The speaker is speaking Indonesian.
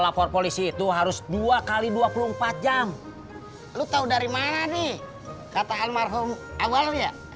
lapor polisi itu harus dua x dua puluh empat jam lu tahu dari mana nih kata almarhum awalnya